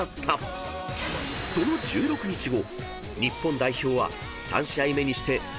［その１６日後］